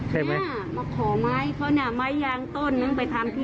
เขาเนี่ยไม้ยางต้นนึงไปบ้านที่